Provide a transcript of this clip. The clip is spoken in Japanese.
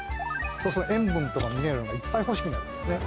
そうすると塩分とかミネラルがいっぱい欲しくなりますね。